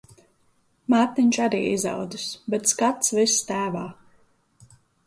Mārtiņš arī izaudzis, bet skats viss tēvā.